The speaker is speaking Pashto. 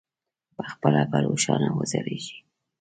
پخپله به روښانه وځلېږي.